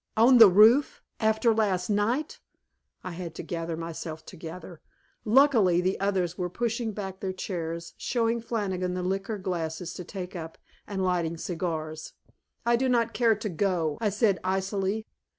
On the roof, after last night! I had to gather myself together; luckily, the others were pushing back their chairs, showing Flannigan the liqueur glasses to take up, and lighting cigars. "I do not care to go," I said icily.